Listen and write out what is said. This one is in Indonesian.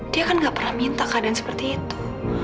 dia kan gak pernah minta keadaan seperti itu